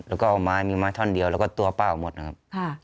แล้วก็เอาไม้มีไม้ท่อนเดียวแล้วก็ตัวเป้าหมดนะครับ